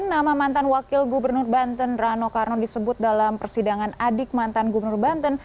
nama mantan wakil gubernur banten rano karno disebut dalam persidangan adik mantan gubernur banten